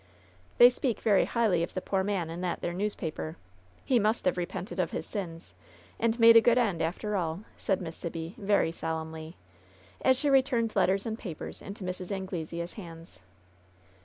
"They speak very highly of the poor man in that there newspaper. He must have repented of his sins and made a good end, after all," said Miss Sibby, very solemnly, as she returned letters and papers into Mrs. Anglesea's hands.